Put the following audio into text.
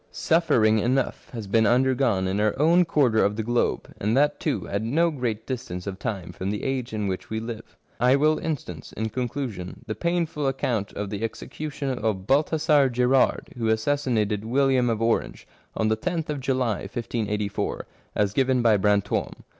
Suffering enough has been under gone in our own quarter of the globe, and that too at no great distance of time from the age in which we live. I will instance, in conclusion, the painful account of the execution of Balthazar Gerard, who assassin ated William of Orange, on the loth of July 1584, as given by Brant6me.